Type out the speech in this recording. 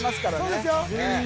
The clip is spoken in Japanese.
そうですよ